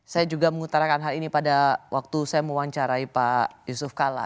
saya juga mengutarakan hal ini pada waktu saya mewawancarai pak yusuf kalla